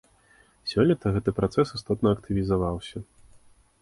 Сёлета гэты працэс істотна актывізаваўся.